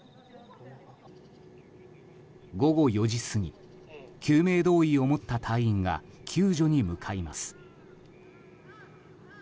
午後４時過ぎ救命胴衣を持った隊員が救助に向かいます。